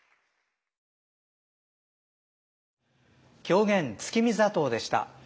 狂言「月見座頭」でした。